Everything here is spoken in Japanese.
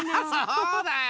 そうだよ！